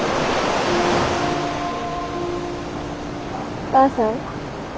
お母さん。